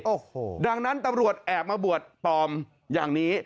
โอ้โหดังนั้นตำรวจแอบมาบวชปลอมอย่างนี้